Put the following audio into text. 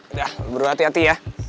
udah berhati hati ya